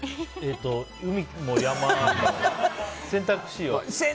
海も山も、選択肢は？